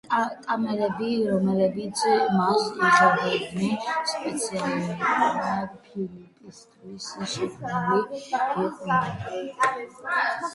კამერები, რომლებითაც მას იღებდნენ, სპეციალურად ფილმის შესაქმნელად დამზადდა.